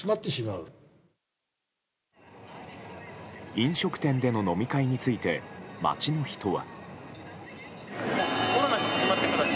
飲食店での飲み会について街の人は。